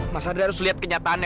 mas andri harus lihat kenyataannya